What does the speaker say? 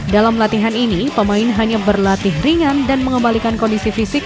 dalam latihan ini pemain hanya berlatih ringan dan mengembalikan kondisi fisik